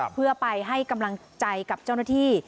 เพื่อไปให้กำลังใจกับเจ้าหน้าที่